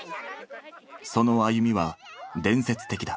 その歩みは伝説的だ。